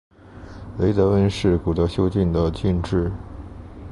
雷德温是古德休郡的郡治。